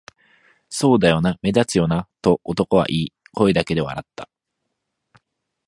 「そうだよな、目立つよな」と男は言い、声だけで笑った